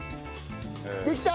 できた！